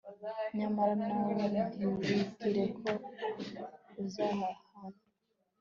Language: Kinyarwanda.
nyamara nawe, ntiwibwire ko utazahanwa